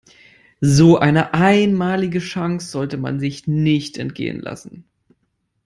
So eine einmalige Chance sollte man sich nicht entgehen lassen.